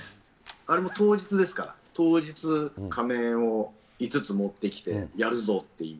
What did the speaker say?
あれも当日ですから、当日、仮面を５つ持ってきて、やるぞっていう。